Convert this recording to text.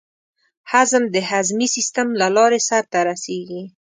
هضم د هضمي سیستم له لارې سر ته رسېږي.